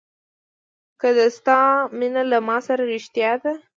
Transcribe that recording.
که د ستا مینه له ما سره رښتیا ده.